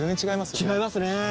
違いますね